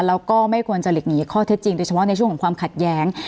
แล้วก็ไม่ควรจะหลีกหนีข้อเท็จจริงโดยเฉพาะในช่วงของความขัดแย้ง